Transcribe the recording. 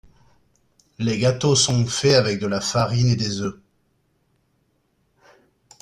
Les gâteaux sont fait avec de la farine et des œufs.